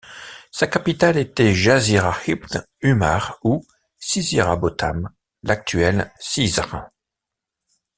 Sa capitale était Jazirat Ibn 'Umar ou Cizîra Botan, l'actuelle Cizre.